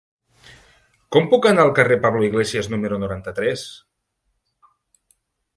Com puc anar al carrer de Pablo Iglesias número noranta-tres?